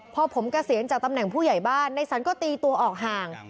พอผมเกษียณจากตำแหน่งผู้ใหญ่บ้านในสันก็ตีตัวออกห่าง